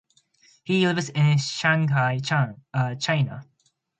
He lives in Shanghai, China.